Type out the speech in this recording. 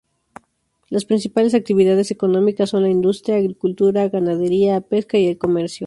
Las principales actividades económicas son la industria, agricultura, ganadería, pesca y el comercio.